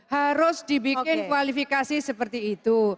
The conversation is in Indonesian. harus dibikin kualifikasi seperti itu